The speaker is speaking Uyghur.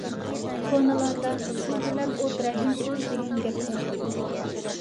كونىلاردا: «سۇ بىلەن ئوت رەھىمسىز» دېگەن گەپ بار.